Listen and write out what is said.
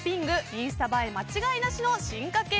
インスタ映え間違いなしの進化形